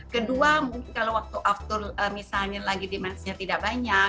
kedua mungkin kalau waktu altur misalnya lagi demand nya tidak banyak